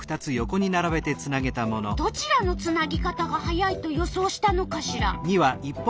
どちらのつなぎ方が速いと予想したのかしら。